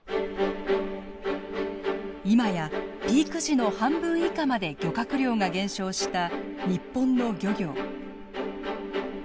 今やピーク時の半分以下まで漁獲量が減少した日本の漁業。